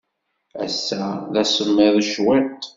Ass-a, d asemmiḍ cwiṭ.